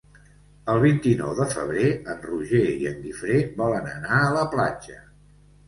El vint-i-nou de febrer en Roger i en Guifré volen anar a la platja.